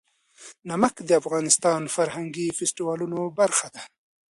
نمک د افغانستان د فرهنګي فستیوالونو برخه ده.